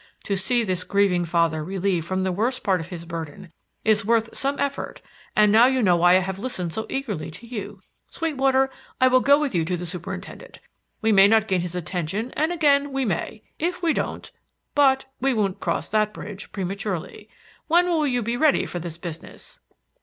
To see this grieving father relieved from the worst part of his burden is worth some effort and now you know why I have listened so eagerly to you. Sweetwater, I will go with you to the Superintendent. We may not gain his attention and again we may. If we don't but we won't cross that bridge prematurely. When will you be ready for this business?"